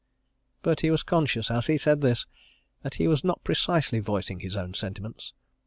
But he was conscious, as he said this, that he was not precisely voicing his own sentiments.